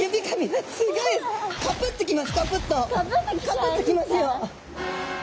カプッときますよ。